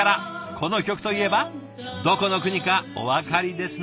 この曲といえばどこの国かおわかりですね？